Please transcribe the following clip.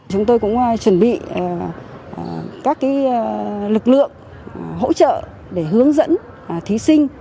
chúng tôi cũng chuẩn bị các lực lượng hỗ trợ để hướng dẫn thí sinh